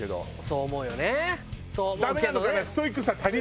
そう思うけどね。